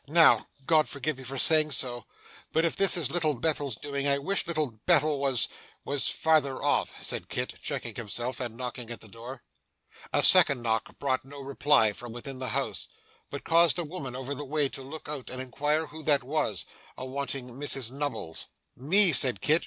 Now, God forgive me for saying so, but if this is Little Bethel's doing, I wish Little Bethel was was farther off,' said Kit checking himself, and knocking at the door. A second knock brought no reply from within the house; but caused a woman over the way to look out and inquire who that was, awanting Mrs Nubbles. 'Me,' said Kit.